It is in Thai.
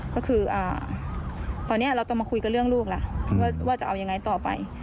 ก็คือตอนนี้เราต้องมาคุยกับเรื่องลูกล่ะว่าจะเอายังไงต่อไป